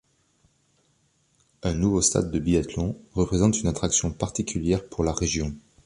Un nouveau stade de biathlon représente une attraction particulière pour la région.